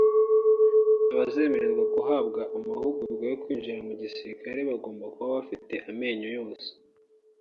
Abazemererwa guhabwa amahugurwa yo kwinjira mu gisirikare bagomba kuba bafite amenyo yose